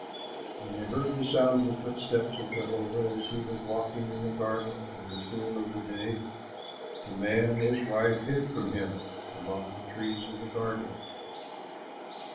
When they heard the sound of the footsteps of Jehovah, as he was walking in the garden in the cool of the day, the man and his wife hid from him among the trees of the garden.